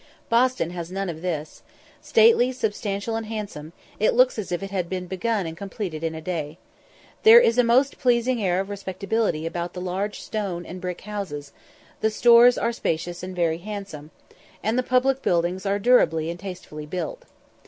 Boston has nothing of all this. Stately, substantial, and handsome, it looks as if it had been begun and completed in a day. There is a most pleasing air of respectability about the large stone and brick houses; the stores are spacious and very handsome; and the public buildings are durably and tastefully built.